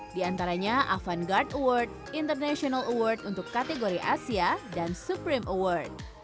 di antaranya avan guard award international award untuk kategori asia dan supreme award